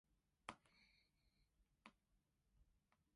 先生你咁大個唔可以除晒衫喺度沖涼啊唔好意思